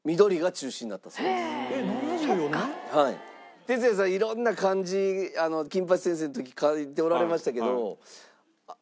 鉄矢さん色んな漢字『金八先生』の時書いておられましたけど。